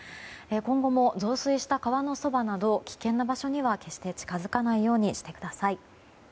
今後も増水した川のそばなど危険な場所には決して近づかないようにしてください。